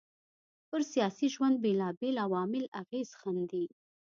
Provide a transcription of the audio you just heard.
پر سياسي ژوند بېلابېل عوامل اغېز ښېندي